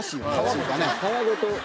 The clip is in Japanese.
皮ごと。